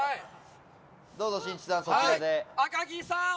どうぞ、しんいちさん、そちらで。